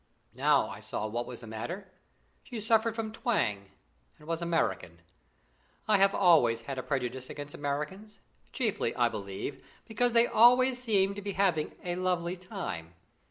Now I saw what was the matter. She suffered from twang and was American. I have always had a prejudice against Americans chiefly, I believe, because they always seem to be having "a lovely time."